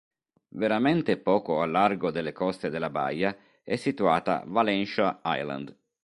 Veramente poco a largo delle coste della baia è situata Valentia Island.